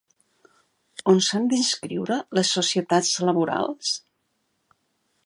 On s'han d'inscriure les societats laborals?